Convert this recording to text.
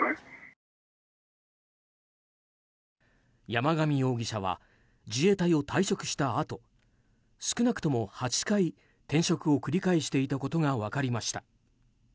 山上容疑者は自衛隊を退職したあと少なくとも８回転職を繰り返していたことが分かりました。